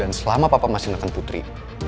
dan selama papa masih neken putri